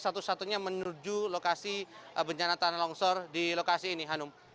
satu satunya menuju lokasi bencana tanah longsor di lokasi ini hanum